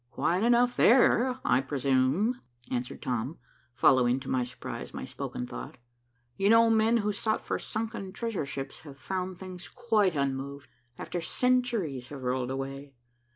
"Quiet enough there, I presume," answered Tom, following, to my surprise, my spoken thought. "You know men who sought for sunken treasure ships have found things quite unmoved, after centuries have rolled away.